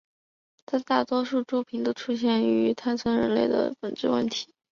他的大多数作品中都出现了关于探讨人类存在的本质问题。